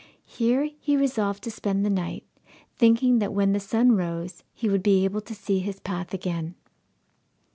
Here he resolved to spend the night, thinking that when the sun rose he would be able to see his path again.